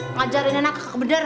ngajarin anak kakek bener